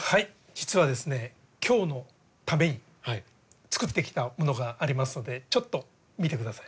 実はですね今日のために作ってきたものがありますのでちょっと見てください。